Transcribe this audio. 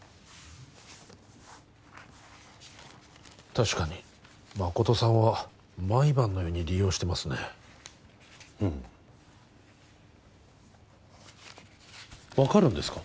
確かに誠さんは毎晩のように利用してますねうん分かるんですか？